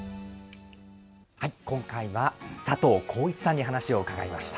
今回は佐藤浩市さんに話を伺いました。